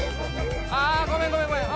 ああごめんごめんごめん。